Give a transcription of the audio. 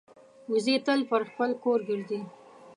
وزې تل پر خپل کور ګرځي